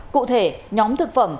cụ thể nhóm thực phẩm